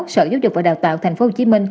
sở giáo dục và đào tạo tp hcm